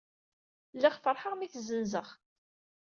Lliɣ feṛḥeɣ imi i t-zzenzeɣ.